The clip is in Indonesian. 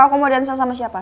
aku mau dansa sama siapa